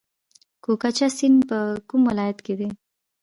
کوکچه سیند په کوم ولایت کې دی؟